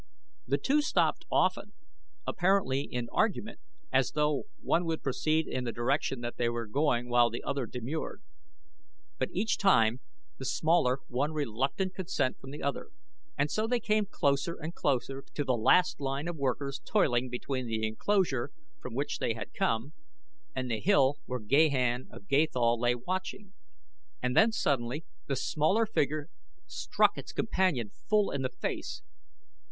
The two stopped often, apparently in argument, as though one would proceed in the direction that they were going while the other demurred. But each time the smaller won reluctant consent from the other, and so they came closer and closer to the last line of workers toiling between the enclosure from which they had come and the hill where Gahan of Gathol lay watching, and then suddenly the smaller figure struck its companion full in the face.